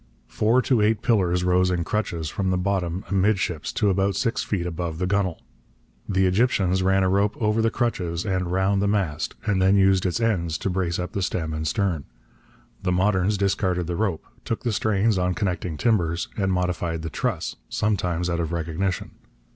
Four to eight pillars rose in crutches from the bottom amidships to about six feet above the gunwale. The Egyptians ran a rope over the crutches and round the mast, and then used its ends to brace up the stem and stern. The moderns discarded the rope, took the strains on connecting timbers, and modified the truss, sometimes out of recognition.